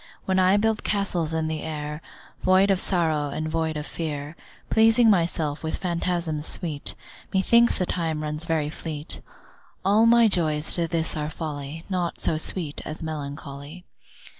When I build castles in the air, Void of sorrow and void of fear, Pleasing myself with phantasms sweet, Methinks the time runs very fleet. All my joys to this are folly, Naught so sweet as melancholy.